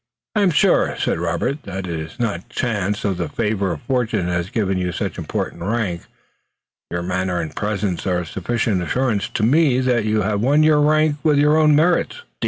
"I am sure," said Robert, "that it is not chance or the favor of fortune that has given you such important rank. Your manner and presence are sufficient assurance to me that you have won your rank with your own merits."